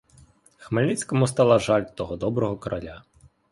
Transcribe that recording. Хмельницькому стало жаль того доброго короля.